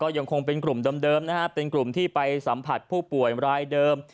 ยังคงเป็นกลุ่มเดิมนะฮะเป็นกลุ่มที่ไปสัมผัสผู้ป่วยรายเดิม